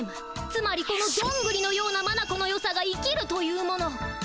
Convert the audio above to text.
つまりこのどんぐりのようなまなこのよさが生きるというもの。